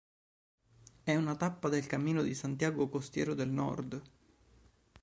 È una tappa del "Camino de Santiago" costiero del Nord.